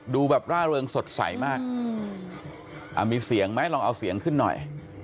ดูแบบร่าเริงสดใสมากมีเสียงไหมลองเอาเสียงขึ้นหน่อย